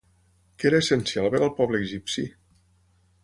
Què era essencial per al poble egipci?